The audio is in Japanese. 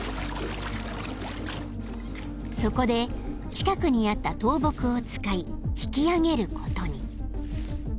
［そこで近くにあった倒木を使い引き上げることに］